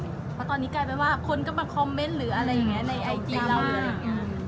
เพราะตอนนี้กลายเป็นว่าคนก็มาคอมเม้นต์หรืออะไรอย่างเงี้ยในไอจีเรา